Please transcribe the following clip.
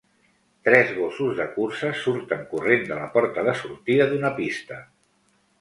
Tres gossos de curses surten corrent de la porta de sortida d'una pista.